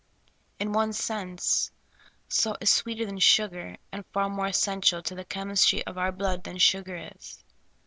In one sense, salt is sweeter than sugar, and far more essential to the chemistry of our blood than sugar is.